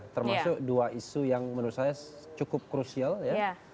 termasuk dua isu yang menurut saya cukup krusial ya